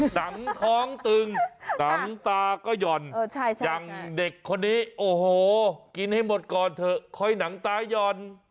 หนังท้องตึงหนังตาก็หย่อนอย่างเด็กคนนี้โอ้โหกินให้หมดก่อนเถอะค่อยหนังตาย่อน